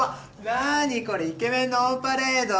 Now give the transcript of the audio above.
なにこれイケメンのオンパレード！